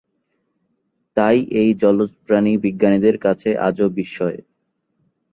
তাই এই জলজ প্রাণী বিজ্ঞানীদের কাছে আজও বিস্ময়।